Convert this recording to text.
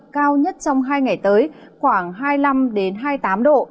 cao nhất trong hai ngày tới khoảng hai mươi năm hai mươi tám độ